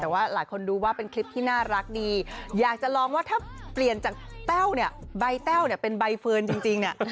แต่ว่าหลายคนดูว่าเป็นคลิปที่น่ารักดีอยากจะลองว่าถ้าเปลี่ยนจากแต้วเนี่ยใบแต้วเนี่ยเป็นใบเฟิร์นจริงเนี่ย